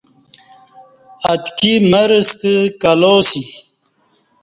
اتکی مر ستہ کلا اسی